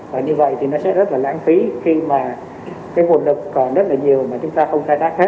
và như vậy thì nó sẽ rất là lãng phí khi mà cái nguồn lực còn rất là nhiều mà chúng ta không khai thác hết